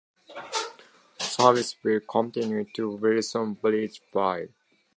Service will continue to Wilson Bridge Drive.